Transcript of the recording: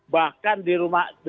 bahkan di rumah